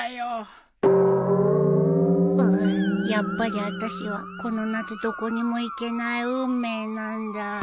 ううやっぱりあたしはこの夏どこにも行けない運命なんだ。